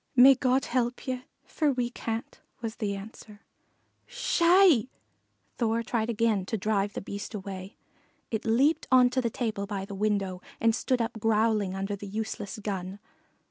"May God help ye, for we can't," was the answer. "Sssh hi!" Thor tried again to drive the Beast away. It leaped on to the table by the window and stood up growling under the useless gun.